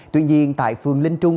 tuy nhiên tại phường linh trung